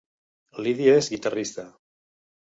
Lídia és guitarrista